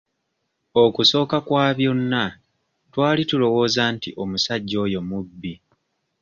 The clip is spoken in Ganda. Okusooka kwa byonna twali tulowooza nti omusajja oyo mubbi.